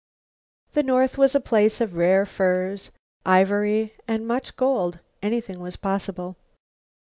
The North was a place of rare furs, ivory and much gold. Anything was possible.